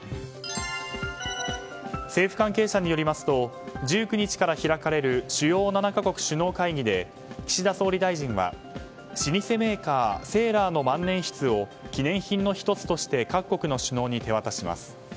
政府関係者によりますと１９日から開かれる主要７か国首脳会議で岸田総理大臣は老舗メーカーセーラーの万年筆を記念品の１つとして各国の首脳に手渡します。